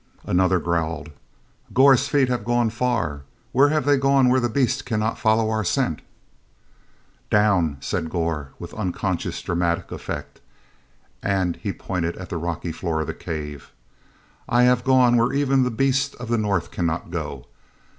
Another growled: "Gor's feet have gone far: where have they gone where the Beast cannot follow our scent?" "Down!" said Gor with unconscious dramatic effect, and he pointed at the rocky floor of the cave. "I have gone where even the Beast of the North cannot go.